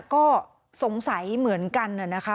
ก็สงสัยเหมือนกันนะคะ